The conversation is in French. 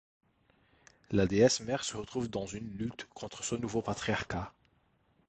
La déesse mère se retrouve dans une lutte contre ce nouveau patriarcat.